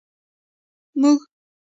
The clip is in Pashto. موږي.